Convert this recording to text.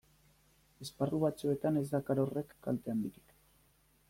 Esparru batzuetan ez dakar horrek kalte handirik.